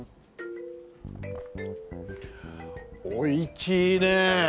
おいちいね。